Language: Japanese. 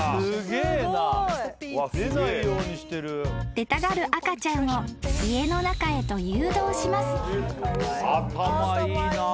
［出たがる赤ちゃんを家の中へと誘導します］